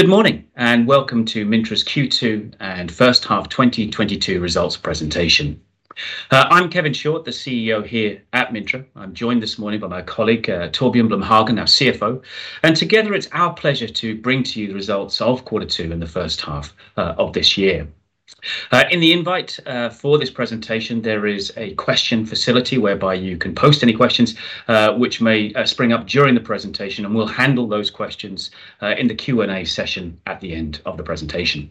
Good morning, and welcome to Mintra's Q2 and first half 2022 results presentation. I'm Kevin Short, the CEO here at Mintra. I'm joined this morning by my colleague, Torbjørn Blom-Hagen, our CFO, and together it's our pleasure to bring to you the results of quarter two in the first half, of this year. In the invite, for this presentation, there is a question facility whereby you can post any questions, which may, spring up during the presentation, and we'll handle those questions, in the Q&A session at the end of the presentation.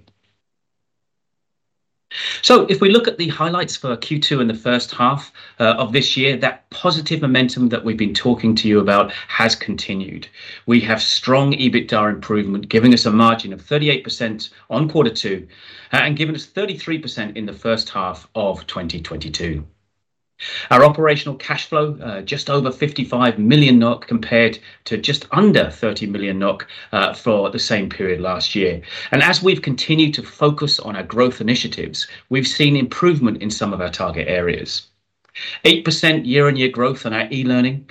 If we look at the highlights for Q2 in the first half, of this year, that positive momentum that we've been talking to you about has continued. We have strong EBITDA improvement giving us a margin of 38% on quarter two and giving us 33% in the first half of 2022. Our operational cash flow just over 55 million NOK compared to just under 30 million NOK for the same period last year. We've continued to focus on our growth initiatives, we've seen improvement in some of our target areas. 8% year-on-year growth in our e-learning.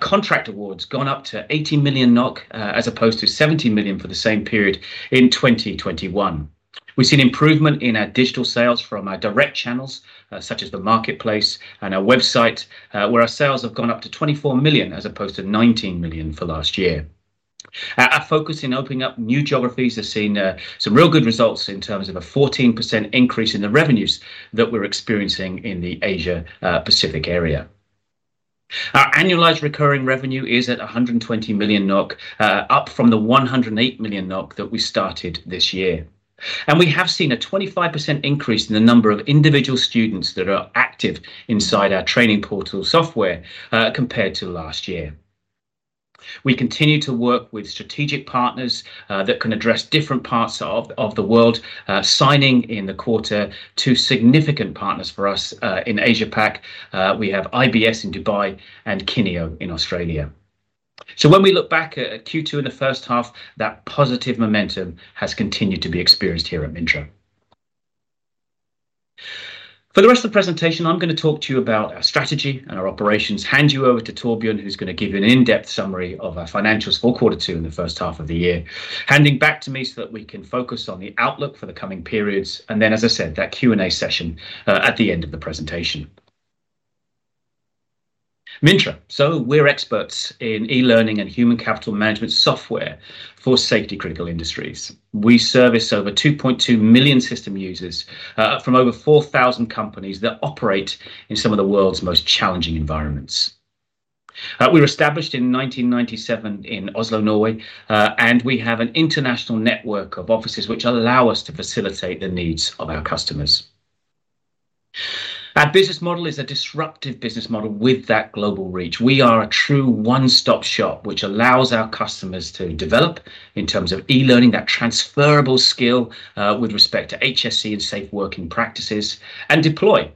Contract awards gone up to 80 million NOK as opposed to 70 million for the same period in 2021. We've seen improvement in our digital sales from our direct channels such as the marketplace and our website where our sales have gone up to 24 million as opposed to 19 million for last year. Our focus in opening up new geographies has seen some real good results in terms of a 14% increase in the revenues that we're experiencing in the Asia Pacific area. Our annualized recurring revenue is at 120 million NOK, up from the 108 million NOK that we started this year. We have seen a 25% increase in the number of individual students that are active inside our training portal software, compared to last year. We continue to work with strategic partners that can address different parts of the world, signing in the quarter two significant partners for us in Asia Pacific. We have IBS in Dubai and Kineo in Australia. When we look back at Q2 in the first half, that positive momentum has continued to be experienced here at Mintra. For the rest of the presentation, I'm gonna talk to you about our strategy and our operations, hand you over to Torbjørn, who's gonna give you an in-depth summary of our financials for quarter two in the first half of the year. Handing back to me that we can focus on the outlook for the coming periods, and then as I said, that Q&A session at the end of the presentation. Mintra. We're experts in e-learning and human capital management software for safety-critical industries. We service over 2.2 million system users from over 4,000 companies that operate in some of the world's most challenging environments. We were established in 1997 in Oslo, Norway, and we have an international network of offices which allow us to facilitate the needs of our customers. Our business model is a disruptive business model with that global reach. We are a true one-stop shop, which allows our customers to develop in terms of e-learning, that transferable skill, with respect to HSE and safe working practices, and deploy,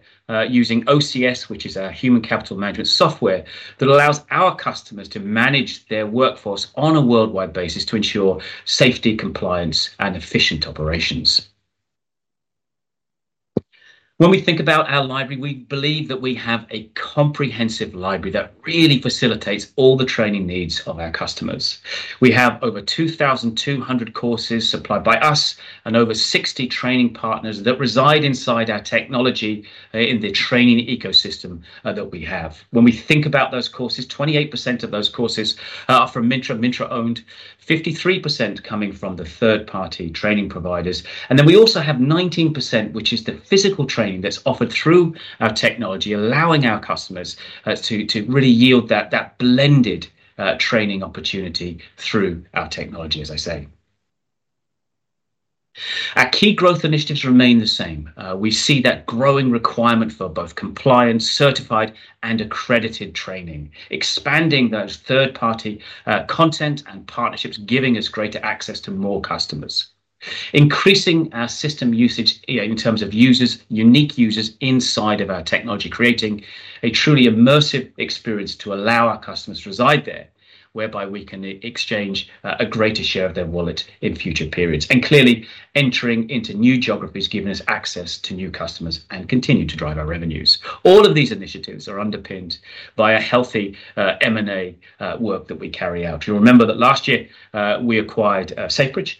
using OCS, which is our human capital management software, that allows our customers to manage their workforce on a worldwide basis to ensure safety, compliance, and efficient operations. When we think about our library, we believe that we have a comprehensive library that really facilitates all the training needs of our customers. We have over 2,200 courses supplied by us and over 60 training partners that reside inside our technology in the training ecosystem that we have. When we think about those courses, 28% of those courses are from Mintra-owned, 53% coming from the third-party training providers, and then we also have 19%, which is the physical training that's offered through our technology, allowing our customers to really yield that blended training opportunity through our technology, as I say. Our key growth initiatives remain the same. We see that growing requirement for both compliance, certified, and accredited training, expanding those third-party content and partnerships, giving us greater access to more customers. Increasing our system usage in terms of users, unique users inside of our technology, creating a truly immersive experience to allow our customers to reside there, whereby we can exchange a greater share of their wallet in future periods. Clearly entering into new geographies, giving us access to new customers and continue to drive our revenues. All of these initiatives are underpinned by a healthy M&A work that we carry out. You'll remember that last year we acquired Safebridge.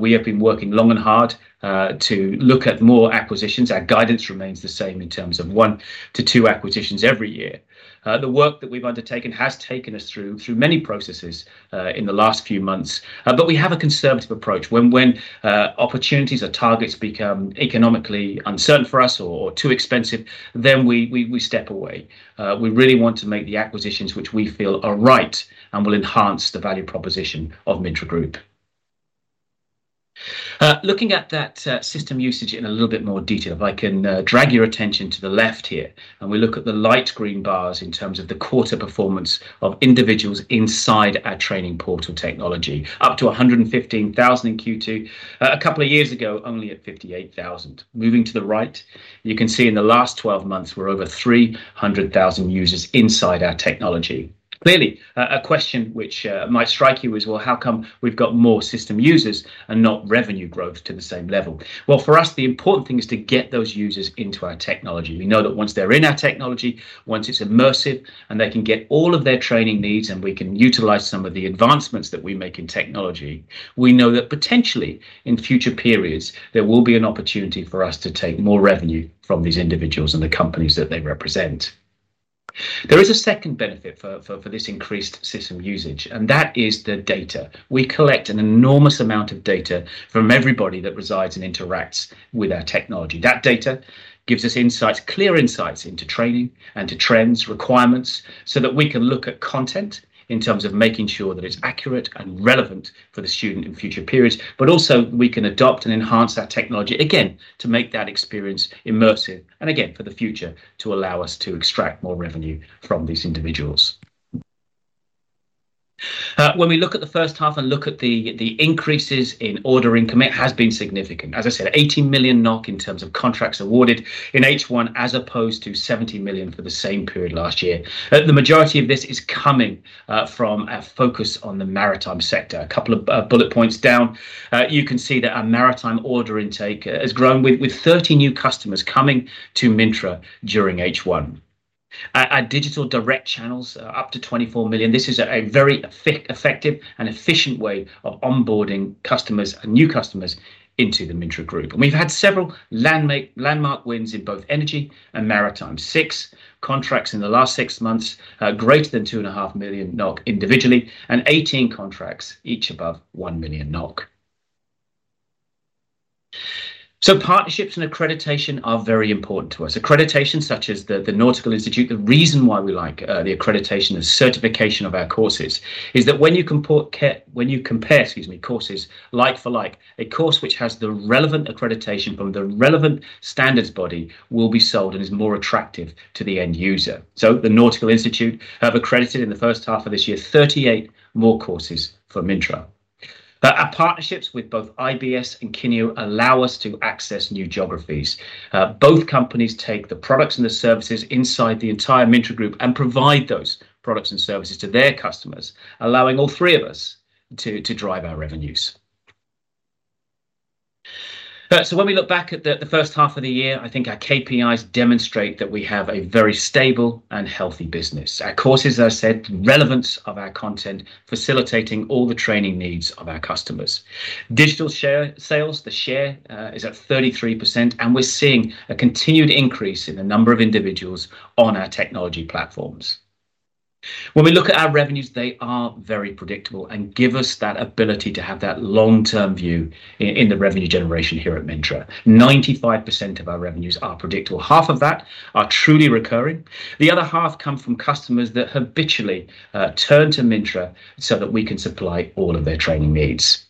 We have been working long and hard to look at more acquisitions. Our guidance remains the same in terms of one to two acquisitions every year. The work that we've undertaken has taken us through many processes in the last few months, but we have a conservative approach. When opportunities or targets become economically uncertain for us or too expensive, then we step away. We really want to make the acquisitions which we feel are right and will enhance the value proposition of Mintra Group. Looking at that system usage in a little bit more detail, if I can drag your attention to the left here, and we look at the light green bars in terms of the quarter performance of individuals inside our training portal technology. Up to 115,000 in Q2. A couple of years ago, only at 58,000. Moving to the right, you can see in the last 12 months, we're over 300,000 users inside our technology. Clearly, a question which might strike you is, well, how come we've got more system users and not revenue growth to the same level? Well, for us, the important thing is to get those users into our technology. We know that once they're in our technology, once it's immersive, and they can get all of their training needs, and we can utilize some of the advancements that we make in technology, we know that potentially in future periods, there will be an opportunity for us to take more revenue from these individuals and the companies that they represent. There is a second benefit for this increased system usage, and that is the data. We collect an enormous amount of data from everybody that resides and interacts with our technology. That data gives us insights, clear insights into training and to trends, requirements, that we can look at content in terms of making sure that it's accurate and relevant for the student in future periods. Also, we can adopt and enhance our technology, again, to make that experience immersive, and again, for the future to allow us to extract more revenue from these individuals. When we look at the first half and look at the increases in order income, it has been significant. As I said, 80 million NOK in terms of contracts awarded in H1 as opposed to 70 million for the same period last year. The majority of this is coming from a focus on the maritime sector. A couple of bullet points down, you can see that our maritime order intake has grown with 30 new customers coming to Mintra during H1. Our digital direct channels are up to 24 million. This is a very effective and efficient way of onboarding customers and new customers into the Mintra Group. We've had several landmark wins in both energy and maritime. Six contracts in the last six months, greater than 2.5 million NOK individually, and 18 contracts each above 1 million NOK. Partnerships and accreditation are very important to us. Accreditation such as the Nautical Institute. The reason why we like the accreditation and certification of our courses is that when you compare, excuse me, courses like for like, a course which has the relevant accreditation from the relevant standards body will be sold and is more attractive to the end user. The Nautical Institute have accredited in the first half of this year 38 more courses for Mintra. Our partnerships with both IBS and Kineo allow us to access new geographies. Both companies take the products and the services inside the entire Mintra Group and provide those products and services to their customers, allowing all three of us to drive our revenues. When we look back at the first half of the year, I think our KPIs demonstrate that we have a very stable and healthy business. Our courses, as I said, relevance of our content, facilitating all the training needs of our customers. Digital share sales, the share, is at 33%, and we're seeing a continued increase in the number of individuals on our technology platforms. When we look at our revenues, they are very predictable and give us that ability to have that long-term view in the revenue generation here at Mintra. 95% of our revenues are predictable. Half of that are truly recurring. The other half come from customers that habitually turn to Mintra that we can supply all of their training needs.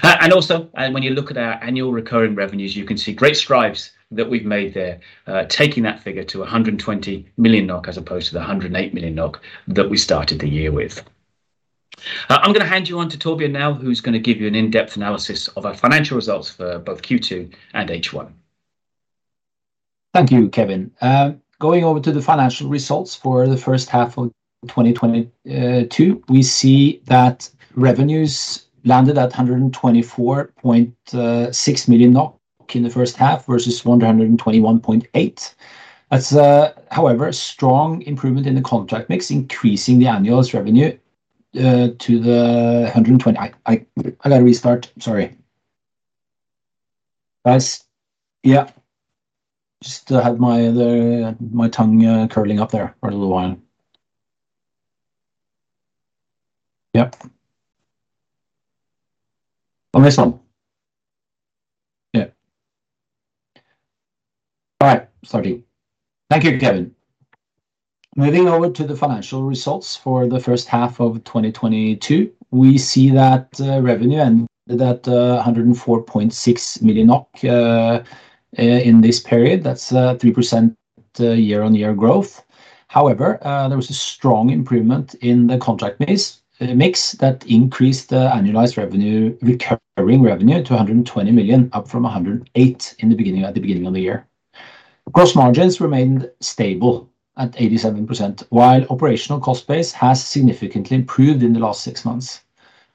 When you look at our annual recurring revenues, you can see great strides that we've made there, taking that figure to 120 million NOK as opposed to the 108 million NOK that we started the year with. I'm gonna hand over to Torbjørn now, who's gonna give you an in-depth analysis of our financial results for both Q2 and H1. Thank you, Kevin. Moving over to the financial results for the first half of 2022, we see that revenue ended at 104.6 million in this period. That's 3% year-on-year growth. However, there was a strong improvement in the contract mix that increased the annualized recurring revenue to 120 million, up from 108 million at the beginning of the year. Gross margins remained stable at 87%, while operational cost base has significantly improved in the last six months.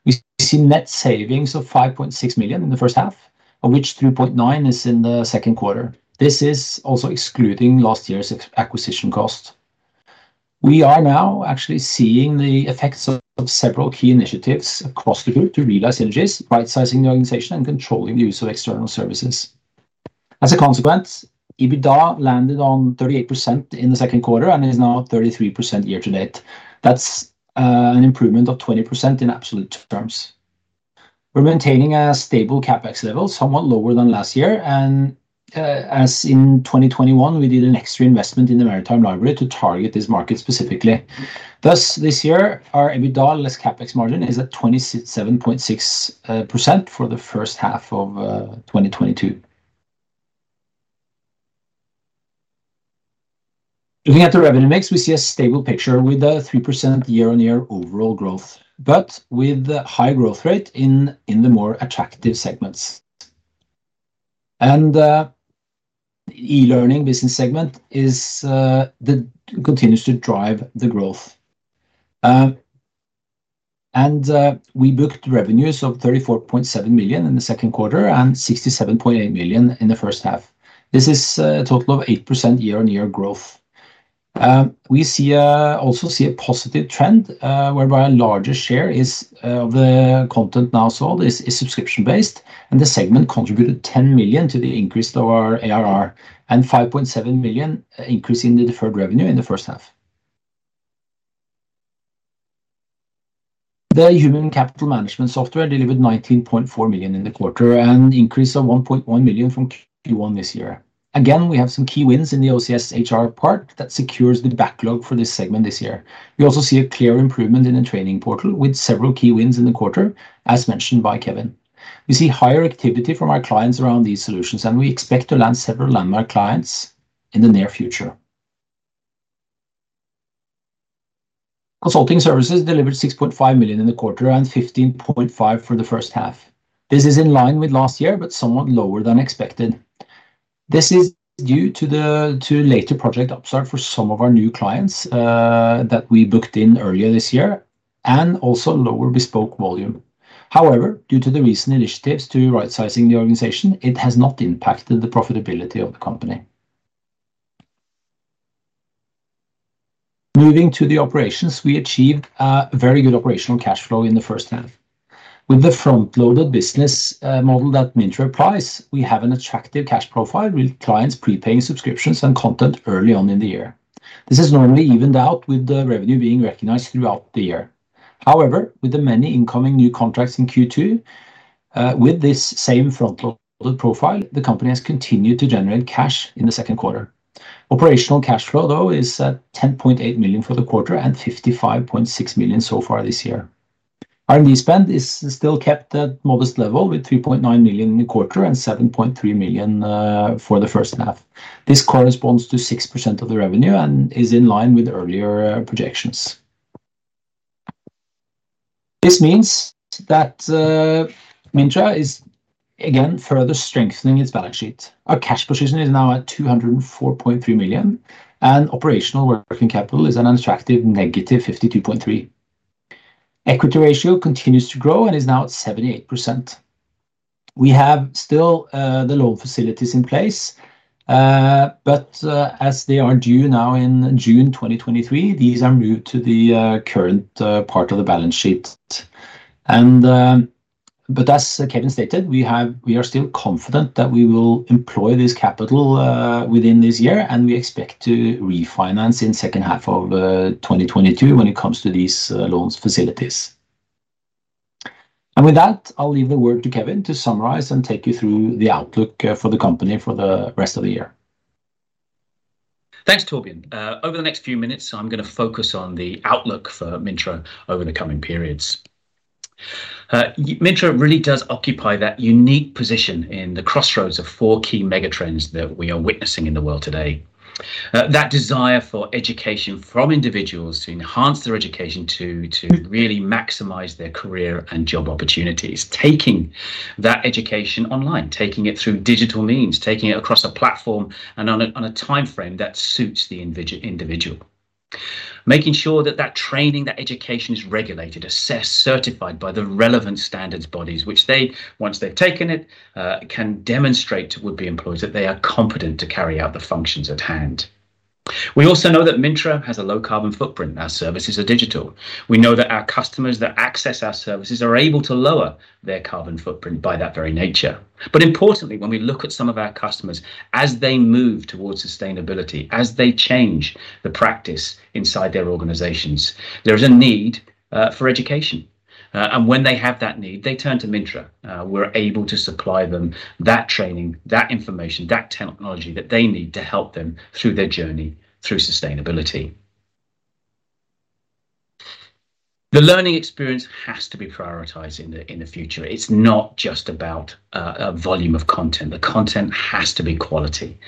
We see net savings of 5.6 million in the first half, of which 2.9 million is in the second quarter. This is also excluding last year's acquisition cost. We are now actually seeing the effects of several key initiatives across the group to realize synergies, right-sizing the organization, and controlling the use of external services. As a consequence, EBITDA landed on 38% in the second quarter and is now 33% year to date. That's an improvement of 20% in absolute terms. We're maintaining a stable CapEx level, somewhat lower than last year, and as in 2021, we did an extra investment in the maritime library to target this market specifically. Thus, this year, our EBITDA less CapEx margin is at 27.6% for the first half of 2022. Looking at the revenue mix, we see a stable picture with a 3% year-on-year overall growth, but with a high growth rate in the more attractive segments. e-learning business segment continues to drive the growth. We booked revenues of 34.7 million in the second quarter and 67.8 million in the first half. This is a total of 8% year-on-year growth. We see a positive trend whereby a larger share of the content now sold is subscription-based, and the segment contributed 10 million to the increase of our ARR and 5.7 million increase in the deferred revenue in the first half. The human capital management software delivered 19.4 million in the quarter, an increase of 1.1 million from Q1 this year. Again, we have some key wins in the OCS HR part that secures the backlog for this segment this year. We also see a clear improvement in the training portal with several key wins in the quarter, as mentioned by Kevin. We see higher activity from our clients around these solutions, and we expect to land several landmark clients in the near future. Consulting services delivered 6.5 million in the quarter and 15.5 million for the first half. This is in line with last year but somewhat lower than expected. This is due to the later project start-up for some of our new clients that we booked in earlier this year and also lower bespoke volume. However, due to the recent initiatives to rightsizing the organization, it has not impacted the profitability of the company. Moving to the operations, we achieved a very good operational cash flow in the first half. With the front-loaded business model that Mintra applies, we have an attractive cash profile with clients prepaying subscriptions and content early on in the year. This is normally evened out with the revenue being recognized throughout the year. However, with the many incoming new contracts in Q2, with this same front-loaded profile, the company has continued to generate cash in the second quarter. Operational cash flow, though, is at 10.8 million for the quarter and 55.6 million far this year. R&D spend is still kept at modest level with 3.9 million in the quarter and 7.3 million for the first half. This corresponds to 6% of the revenue and is in line with earlier projections. This means that, Mintra is again further strengthening its balance sheet. Our cash position is now at 204.3 million, and operational working capital is an attractive negative 52.3. Equity ratio continues to grow and is now at 78%. We have still the loan facilities in place, but as they are due now in June 2023, these are moved to the current part of the balance sheet. As Kevin stated, we are still confident that we will employ this capital within this year, and we expect to refinance in second half of 2022 when it comes to these loans facilities. With that, I'll leave the word to Kevin to summarize and take you through the outlook for the company for the rest of the year. Thanks, Torbjørn. Over the next few minutes, I'm gonna focus on the outlook for Mintra over the coming periods. Mintra really does occupy that unique position in the crossroads of four key mega trends that we are witnessing in the world today. That desire for education from individuals to enhance their education to really maximize their career and job opportunities, taking that education online, taking it through digital means, taking it across a platform and on a timeframe that suits the individual. Making sure that that training, that education is regulated, assessed, certified by the relevant standards bodies, which they, once they've taken it, can demonstrate to would-be employers that they are competent to carry out the functions at hand. We also know that Mintra has a low carbon footprint. Our services are digital. We know that our customers that access our services are able to lower their carbon footprint by that very nature. Importantly, when we look at some of our customers, as they move towards sustainability, as they change the practice inside their organizations, there is a need for education. When they have that need, they turn to Mintra. We're able to supply them that training, that information, that technology that they need to help them through their journey through sustainability. The learning experience has to be prioritized in the future. It's not just about a volume of content. The content has to be quality.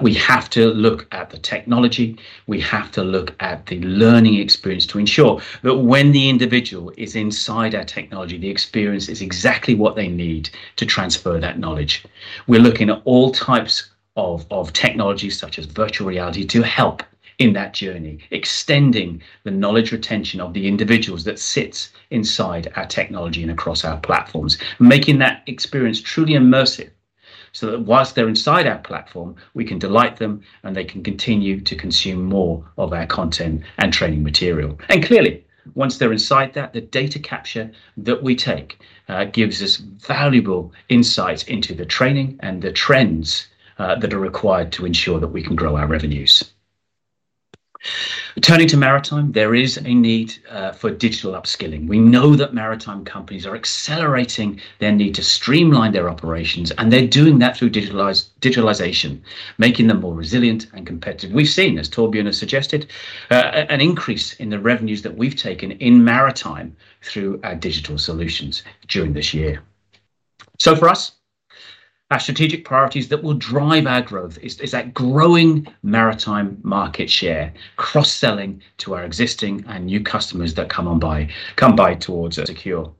We have to look at the technology. We have to look at the learning experience to ensure that when the individual is inside our technology, the experience is exactly what they need to transfer that knowledge. We're looking at all types of technology such as virtual reality to help in that journey, extending the knowledge retention of the individuals that sits inside our technology and across our platforms, making that experience truly immersive, that whilst they're inside our platform, we can delight them, and they can continue to consume more of our content and training material. Clearly, once they're inside that, the data capture that we take gives us valuable insights into the training and the trends that are required to ensure that we can grow our revenues. Turning to maritime, there is a need for digital upskilling. We know that maritime companies are accelerating their need to streamline their operations, and they're doing that through digitalization, making them more resilient and competitive. We've seen, as Torbjørn has suggested, an increase in the revenues that we've taken in maritime through our digital solutions during this year. For us, our strategic priorities that will drive our growth is that growing maritime market share, cross-selling to our existing and new customers that come by towards a secure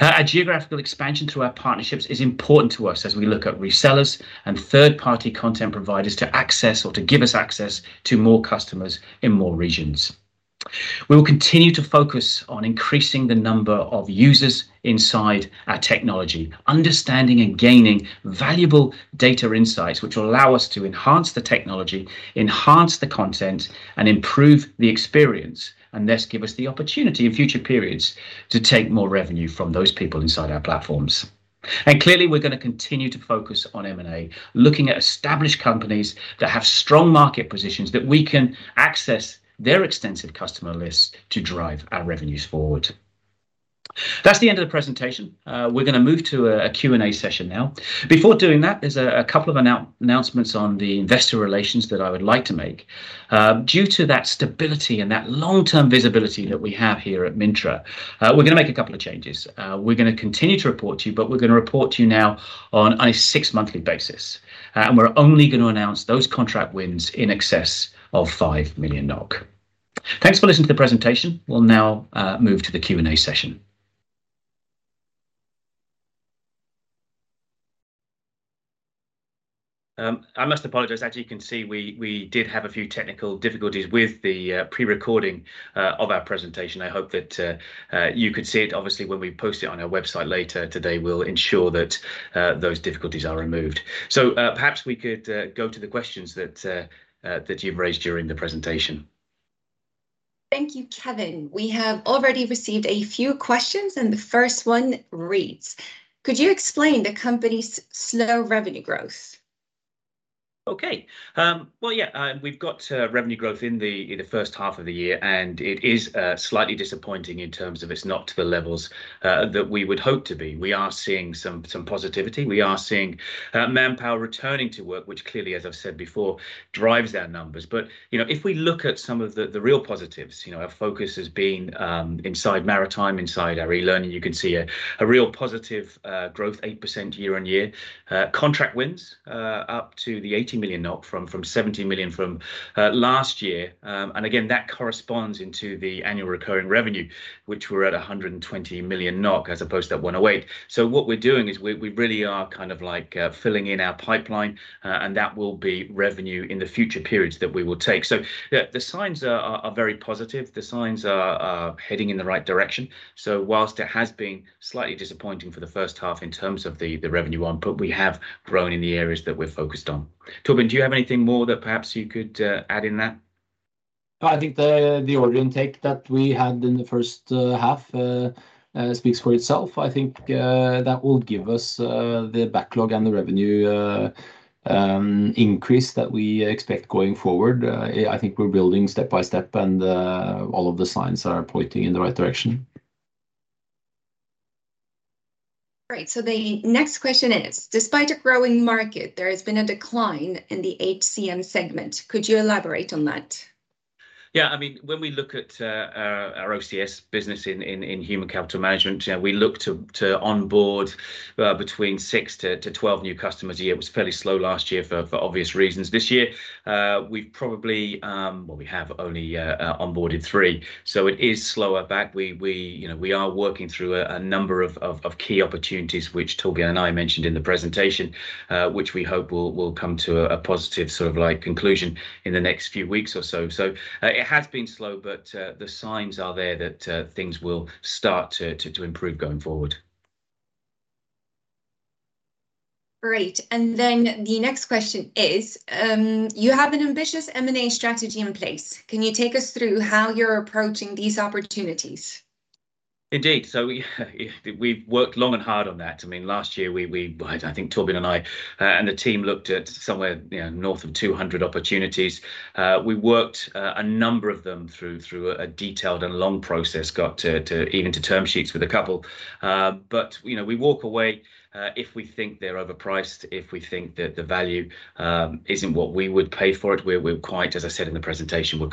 a geographical expansion through our partnerships is important to us as we look at resellers and third-party content providers to access or to give us access to more customers in more regions. We will continue to focus on increasing the number of users inside our technology, understanding and gaining valuable data insights which will allow us to enhance the technology, enhance the content, and improve the experience, and thus give us the opportunity in future periods to take more revenue from those people inside our platforms. Clearly we're gonna continue to focus on M&A, looking at established companies that have strong market positions that we can access their extensive customer lists to drive our revenues forward. That's the end of the presentation. We're gonna move to a Q&A session now. Before doing that, there's a couple of announcements on the investor relations that I would like to make. Due to that stability and that long-term visibility that we have here at Mintra, we're gonna make a couple of changes. We're gonna continue to report to you, but we're gonna report to you now on a six-monthly basis. We're only gonna announce those contract wins in excess of 5 million NOK. Thanks for listening to the presentation. We'll now move to the Q&A session. I must apologize, as you can see, we did have a few technical difficulties with the pre-recording of our presentation. I hope that you could see it. Obviously when we post it on our website later today, we'll ensure that those difficulties are removed. Perhaps we could go to the questions that you've raised during the presentation. Thank you, Kevin. We have already received a few questions, and the first one reads, "Could you explain the company's slow revenue growth? We've got revenue growth in the first half of the year, and it is slightly disappointing in terms of it's not to the levels that we would hope to be. We are seeing some positivity. We are seeing manpower returning to work, which clearly, as I've said before, drives our numbers. If we look at some of the real positives, our focus has been inside maritime, inside our e-learning. You can see a real positive growth, 8% year-on-year. Contract wins up to 80 million NOK from 17 million last year. Again, that corresponds into the annual recurring revenue, which we're at 120 million NOK as opposed to 108 million. What we're doing is we really are kind of like filling in our pipeline, and that will be revenue in the future periods that we will take. The signs are very positive. The signs are heading in the right direction. Whilst it has been slightly disappointing for the first half in terms of the revenue arm, but we have grown in the areas that we're focused on. Torbjørn, do you have anything more that perhaps you could add in that? I think the order intake that we had in the first half speaks for itself. I think that will give us the backlog and the revenue increase that we expect going forward. I think we're building step by step, and all of the signs are pointing in the right direction. Great. The next question is, "Despite a growing market, there has been a decline in the HCM segment. Could you elaborate on that? I mean, when we look at our OCS business in human capital management, we look to onboard between 6-12 new customers a year. It was fairly slow last year for obvious reasons. This year, we've probably. Well, we have only onboarded 3, it is slower back. Are working through a number of key opportunities which Torbjørn and I mentioned in the presentation, which we hope will come to a positive sort of like conclusion in the next few weeks. It has been slow, but the signs are there that things will start to improve going forward. Great, the next question is, "You have an ambitious M&A strategy in place. Can you take us through how you're approaching these opportunities? Indeed, we have worked long and hard on that. I mean, last year we, I think Torbjørn and I and the team looked at somewhere, north of 200 opportunities. We worked a number of them through a detailed and long process. Got to even term sheets with a couple. We walk away if we think they're overpriced, if we think that the value isn't what we would pay for it. We're quite conservative in our approach, as I said in the presentation.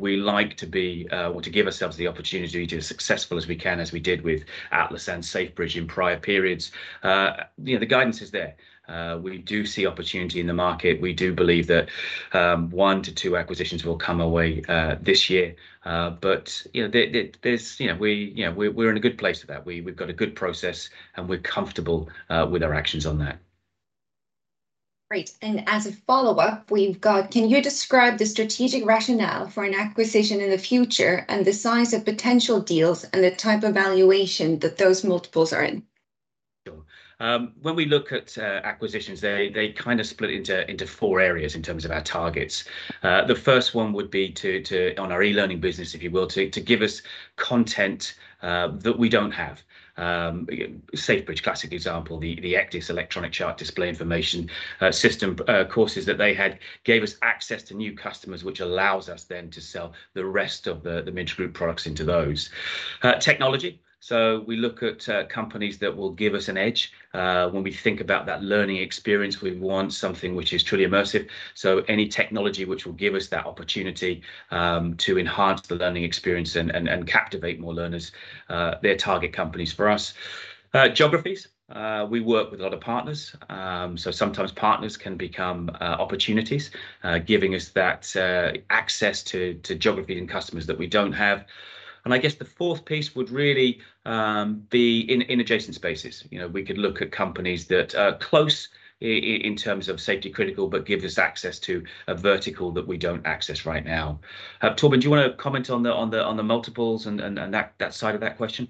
We like to be or to give ourselves the opportunity to be as successful as we can, as we did with Atlas and Safebridge in prior periods. The guidance is there. We do see opportunity in the market. We do believe that 1 to 2 acquisitions will come our way this year. There's, we're in a good place for that. We've got a good process, and we're comfortable with our actions on that. Great, and as a follow-up, we've got, "Can you describe the strategic rationale for an acquisition in the future and the size of potential deals and the type of valuation that those multiples are in? When we look at acquisitions, they kind of split into four areas in terms of our targets. The first one would be to on our e-learning business, if you will, to give us content that we don't have. Safebridge, classic example. The ECDIS, Electronic Chart Display and Information System, courses that they had gave us access to new customers, which allows us then to sell the rest of the Mintra Group products into those. Technology, we look at companies that will give us an edge. When we think about that learning experience, we want something which is truly immersive, any technology which will give us that opportunity to enhance the learning experience and captivate more learners. They're target companies for us. Geographies, we work with a lot of partners, sometimes partners can become opportunities, giving us that access to geography and customers that we don't have. I guess the fourth piece would really be in adjacent spaces. We could look at companies that are close in terms of safety-critical, but give us access to a vertical that we don't access right now. Torbjørn, do you wanna comment on the multiples and that side of that question?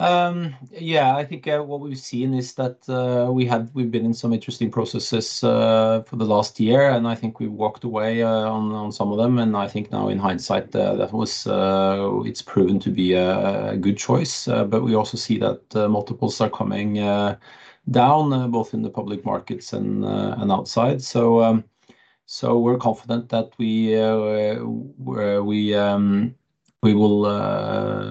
I think what we've seen is that we've been in some interesting processes for the last year, and I think we walked away on some of them. I think now in hindsight it's proven to be a good choice. We also see that multiples are coming down both in the public markets and outside. We're confident that we will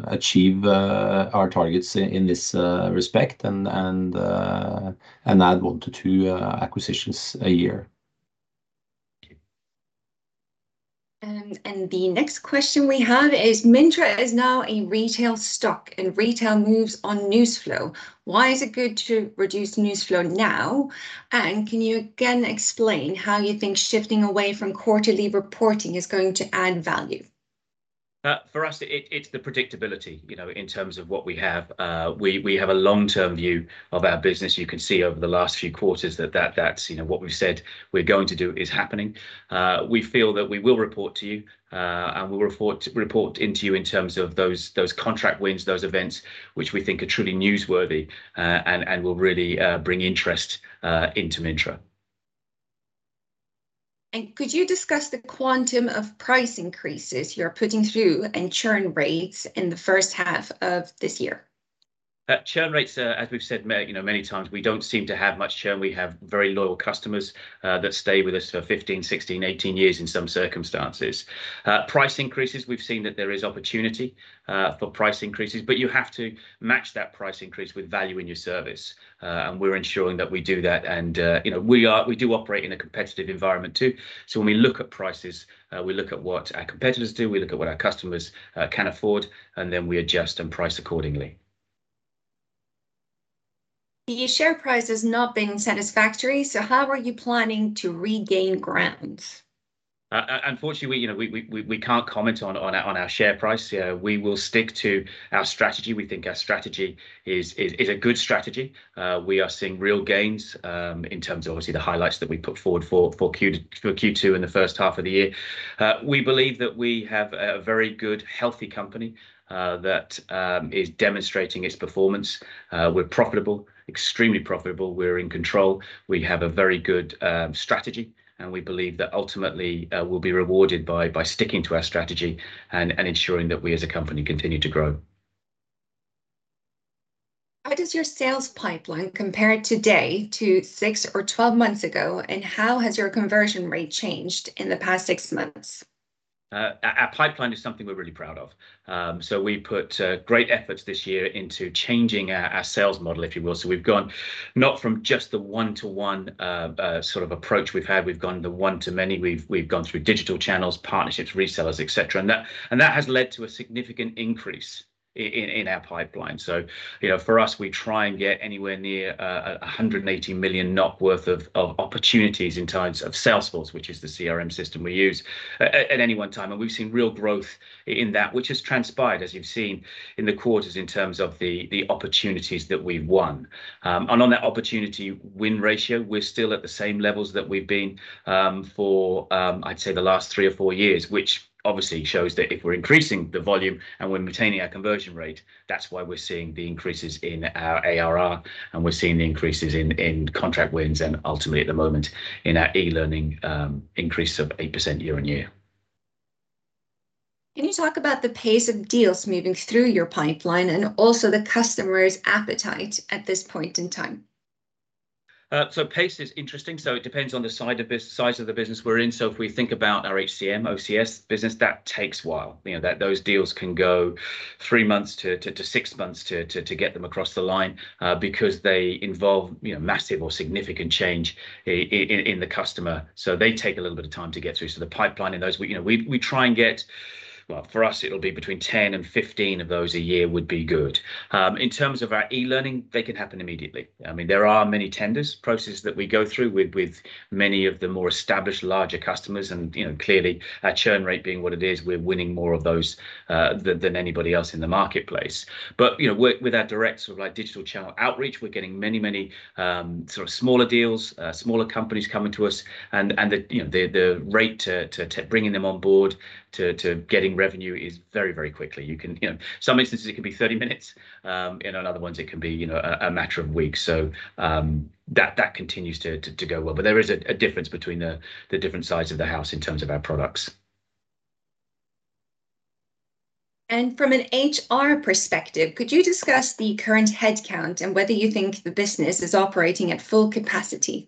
achieve our targets in this respect and add 1 to 2 acquisitions a year. The next question we have is Mintra is now a retail stock, and retail moves on news flow. Why is it good to reduce news flow now, and can you again explain how you think shifting away from quarterly reporting is going to add value? For us it's the predictability, in terms of what we have. We have a long-term view of our business. You can see over the last few quarters that that's, what we've said we're going to do is happening. We feel that we will report to you, and we will report in to you in terms of those contract wins, those events which we think are truly newsworthy, and will really bring interest into Mintra. Could you discuss the quantum of price increases you're putting through and churn rates in the first half of this year? Churn rates are, as we've said, many times, we don't seem to have much churn. We have very loyal customers that stay with us for 15, 16, 18 years in some circumstances. Price increases, we've seen that there is opportunity for price increases. But you have to match that price increase with value in your service, and we're ensuring that we do that. We do operate in a competitive environment too, when we look at prices, we look at what our competitors do, we look at what our customers can afford, and then we adjust and price accordingly. The share price has not been satisfactory, how are you planning to regain ground? We can't comment on our share price. We will stick to our strategy. We think our strategy is a good strategy. We are seeing real gains in terms of obviously the highlights that we put forward for Q2 in the first half of the year. We believe that we have a very good, healthy company that is demonstrating its performance. We're profitable, extremely profitable. We're in control. We have a very good strategy, and we believe that ultimately we'll be rewarded by sticking to our strategy and ensuring that we as a company continue to grow. How does your sales pipeline compare today to 6 or 12 months ago, and how has your conversion rate changed in the past 6 months? Our pipeline is something we're really proud of. We put great efforts this year into changing our sales model, if you will. We've gone not from just the one-to-one sort of approach we've had, we've gone the one to many. We've gone through digital channels, partnerships, resellers, et cetera, and that has led to a significant increase in our pipeline. For us, we try and get anywhere near 180 million NOK worth of opportunities in terms of Salesforce, which is the CRM system we use, at any one time. We've seen real growth in that, which has transpired, as you've seen, in the quarters in terms of the opportunities that we've won. On that opportunity win ratio, we're still at the same levels that we've been for, I'd say the last three or four years, which obviously shows that if we're increasing the volume and we're maintaining our conversion rate, that's why we're seeing the increases in our ARR and we're seeing the increases in contract wins and ultimately at the moment in our e-learning increase of 8% year-on-year. Can you talk about the pace of deals moving through your pipeline and also the customers' appetite at this point in time? Pace is interesting, it depends on the size of the business we're in. If we think about our HCM, OCS business, that takes a while. Those deals can go 3 months to 6 months to get them across the line, because they involve, massive or significant change in the customer. They take a little bit of time to get through. The pipeline in those, we try and get. Well, for us it'll be between 10 and 15 of those a year would be good. In terms of our e-learning, they can happen immediately. I mean, there are many tenders process that we go through with many of the more established larger customers and, clearly our churn rate being what it is, we're winning more of those than anybody else in the marketplace. With our direct sort of like digital channel outreach, we're getting many sort of smaller deals, smaller companies coming to us and, the, the rate to bringing them on board to getting revenue is very quickly. Some instances it can be 30 minutes, and other ones it can be, a matter of weeks. That continues to go well. There is a difference between the different sides of the house in terms of our products. From an HR perspective, could you discuss the current head count and whether you think the business is operating at full capacity?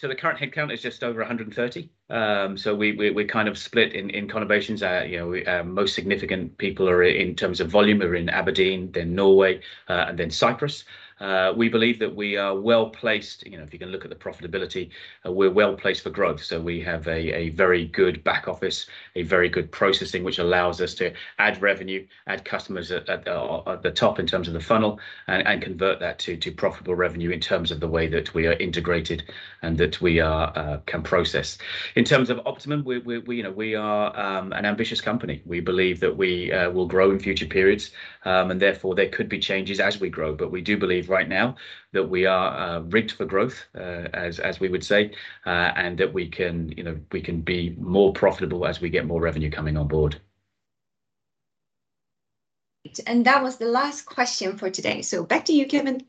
The current headcount is just over 130. We're kind of split in combinations. Our most significant people, in terms of volume, are in Aberdeen, then Norway, and then Cyprus. We believe that we are well-placed, if you can look at the profitability. We're well-placed for growth. We have a very good back office, a very good processing, which allows us to add revenue, add customers at the top in terms of the funnel and convert that to profitable revenue in terms of the way that we are integrated and that we can process. In terms of optimum. We are an ambitious company. We believe that we will grow in future periods, and therefore there could be changes as we grow. We do believe right now that we are rigged for growth, as we would say, and that we can, be more profitable as we get more revenue coming on board. That was the last question for today. Back to you, Kevin.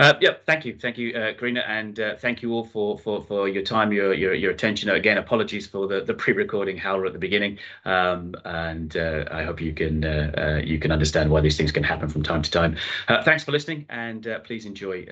Thank you. Thank you, Karina, and thank you all for your time, your attention. Again, apologies for the pre-recording howler at the beginning, and I hope you can understand why these things can happen from time to time. Thanks for listening and please enjoy.